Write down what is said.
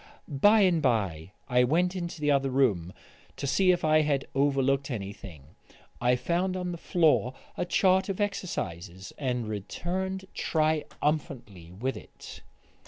By and by I went into the other room to see if I had overlooked anything. I found on the floor a chart of exercises, and returned triumphantly with it.